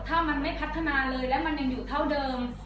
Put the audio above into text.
ถ้ามันไม่พัฒนาเลยและมันยังอยู่เท่าเดิม